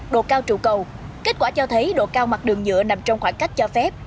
độ cao trụ cầu kết quả cho thấy độ cao mặt đường nhựa nằm trong khoảng cách cho phép